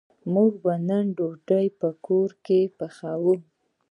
موږ به نن ډوډۍ په کور کی پخوو